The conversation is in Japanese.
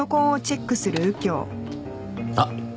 あっ！